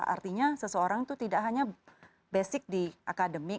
artinya seseorang itu tidak hanya basic di akademik